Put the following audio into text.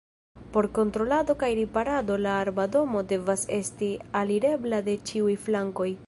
Por kontrolado kaj riparado la arba domo devas esti alirebla de ĉiuj flankoj.